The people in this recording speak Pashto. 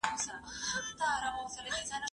لیک وکړه؟